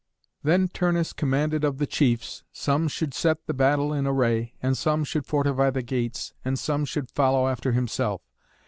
Then Turnus commanded that of the chiefs some should set the battle in array, and some should fortify the gates, and some should follow after himself.